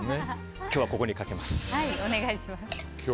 今日は、ここにかけます。